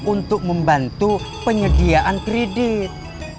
untuk membantu penyediaan kredit